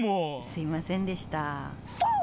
すいませんでした。